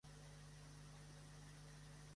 Demà passat na Bet anirà a Barx.